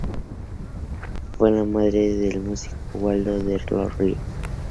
Fue la madre del músico Waldo de los Ríos.